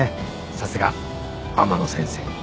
さすが天野先生。